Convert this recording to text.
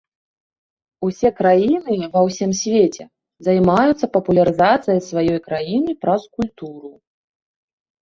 Усе краіны ва ўсім свеце займаюцца папулярызацыяй сваёй краіны праз культуру.